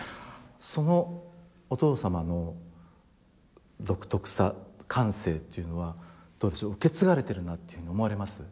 そのお父様の独特さ感性っていうのはどうでしょう受け継がれてるなっていうふうに思われます？